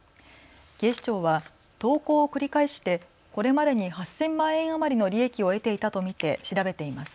警視庁は投稿を繰り返してこれまでに８０００万円余りの利益を得ていたと見て調べています。